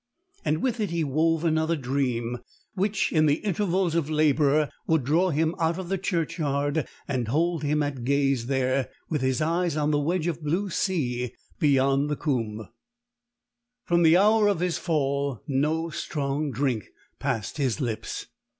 And with it he wove another dream which, in the intervals of labour, would draw him out of the churchyard and hold him at gaze there, with his eyes on the wedge of blue sea beyond the coombe. From the hour of his fall no strong drink passed his lips.